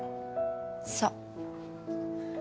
そう。